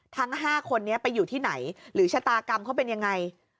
ทั้ง๕คนนี้ไปอยู่ที่ไหนหรือชะตากรรมเขาเป็นยังไง